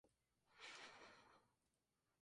Es frecuentemente confundido con islamofobia.